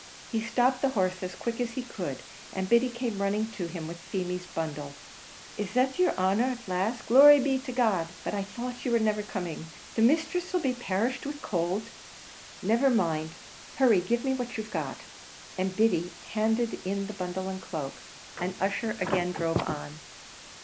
He stopped the horse as quick as he could, and Biddy came running to him with Feemy's bundle. "Is that yer honer, at last? Glory be to God! but I thought you wor niver coming. The misthress 'll be perished with the could." "Never mind hurry give me what you've got!" And Biddy handed in the bundle and cloak, and Ussher again drove on.